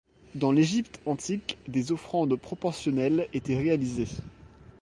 Dans l’Égypte antique des offrandes proportionnelles étaient réalisées.